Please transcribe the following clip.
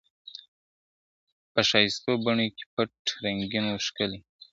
په ښایستو بڼو کي پټ رنګین وو ښکلی `